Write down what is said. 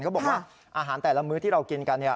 ก็บอกว่าอาหารแต่ละมื้อที่เรากินกัน